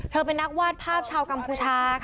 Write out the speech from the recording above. เป็นนักวาดภาพชาวกัมพูชา